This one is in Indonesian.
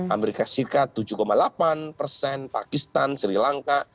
amerika serikat tujuh delapan persen pakistan sri lanka